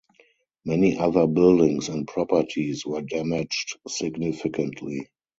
Many other buildings and properties were damaged significantly.